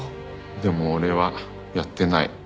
でも俺はやってない。